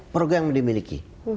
program yang dimiliki